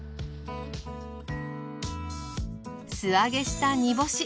素揚げした煮干し。